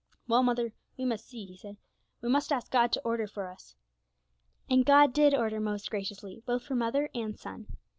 'Well, mother, we must see,' he said; 'we must ask God to order for us.' And God did order most graciously, both for mother and son.